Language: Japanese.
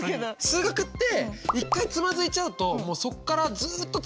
数学って一回つまずいちゃうともうそっからずっとつまずいていかない？